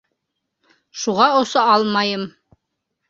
Шуға оса алмайым.